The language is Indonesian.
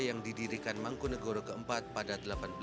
yang didirikan mangkunagoro keempat pada seribu delapan ratus enam puluh satu